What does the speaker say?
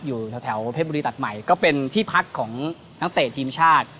อยู่แถวเพชรบุรีตัดใหม่ก็เป็นที่พักของนักเตะทีมชาติ